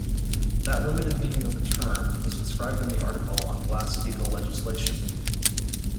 That limited meaning of the term is described in the article on Glass-Steagall Legislation.